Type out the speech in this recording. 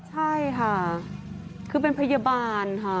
ใช่ค่ะคือเป็นพยาบาลค่ะ